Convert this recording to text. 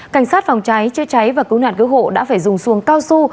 cảnh sát phòng cháy chữa cháy và cứu nạn cứu hộ đã phải dùng xuồng cao su